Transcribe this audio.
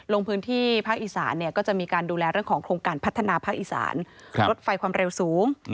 ลงพื้นที่ภาคอีสานก็จะมีการดูแลเรื่องของโครงการพัฒนาภาคอีสานลดไฟความเร็วสูง